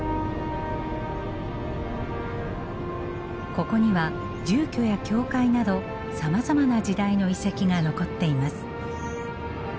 ここには住居や教会などさまざまな時代の遺跡が残っています。